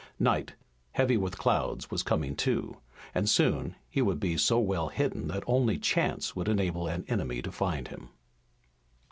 Night, heavy with clouds, was coming, too, and soon he would be so well hidden that only chance would enable an enemy to find him.